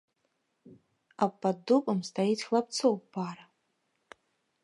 А пад дубам стаіць хлопцаў пара.